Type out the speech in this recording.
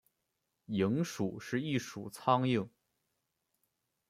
蝇属是一属苍蝇。